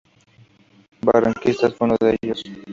Barranquitas fue uno de ellos.